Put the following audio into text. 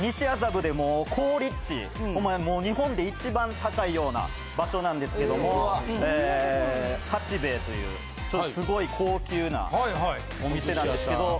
ほんまにもう日本で一番高いような場所なんですけども八兵衛というすごい高級なお店なんですけど。